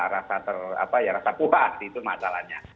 rasa puas itu masalahnya